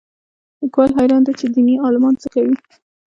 لیکوال حیران دی چې دیني عالمان څه کوي